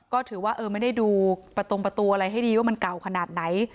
ก็ถือว่าไม่ได้ดูประตงประตูอะไรให้ดีว่ามันเก่าขนาดไหน